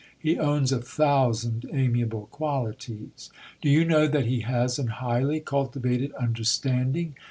He owns a thousand amiable qualities. Do you know that he has an highly cultivated understanding?